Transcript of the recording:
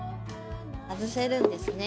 外せるんですね。